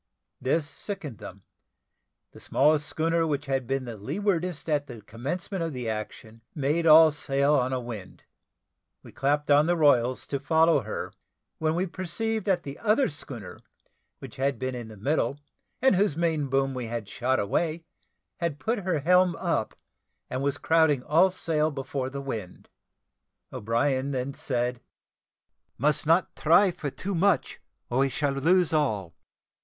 This sickened them; the smallest schooner which had been the leewardest at the commencement of the action, made all sail on a wind. We clapped on the royals to follow her, when we perceived that the other schooner, which had been in the middle, and whose main boom we had shot away, had put her helm up, and was crowding all sail before the wind. O'Brien then said, "Must not try for too much, or we shall lose all.